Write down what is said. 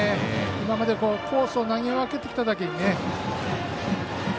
今までコースを投げ分けてきただけにね。